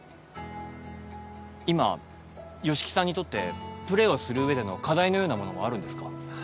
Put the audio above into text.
今吉木さんにとってプレーをする上での課題のようなものはあるんですか？